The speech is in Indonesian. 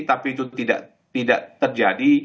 tapi itu tidak terjadi